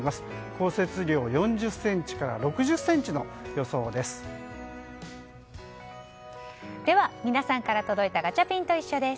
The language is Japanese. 降雪量４０ｃｍから６０ｃｍの予想です。